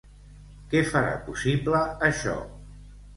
Què farà possible, això?